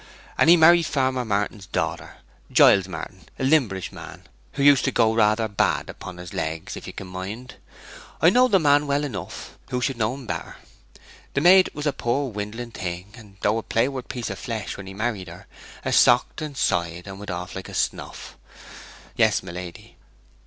And he married Farmer Martin's daughter Giles Martin, a limberish man, who used to go rather bad upon his lags, if you can mind. I knowed the man well enough; who should know en better! The maid was a poor windling thing, and, though a playward piece o' flesh when he married her, 'a socked and sighed, and went out like a snoff! Yes, my lady.